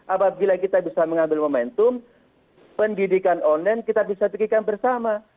apabila kita bisa mengambil momentum pendidikan online kita bisa pikirkan bersama